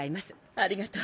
ありがとう。